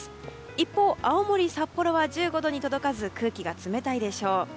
一方、青森、札幌は１５度に届かず空気が冷たいでしょう。